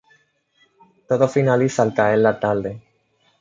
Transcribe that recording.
Todo finaliza al caer la tarde.